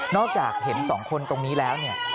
จากเห็นสองคนตรงนี้แล้วเนี่ย